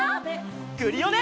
クリオネ！